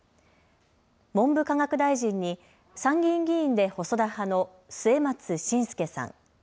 文部科学大臣に参議院議員で細田派の末松信介さん。